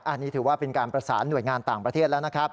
อันนี้ถือว่าเป็นการประสานหน่วยงานต่างประเทศแล้วนะครับ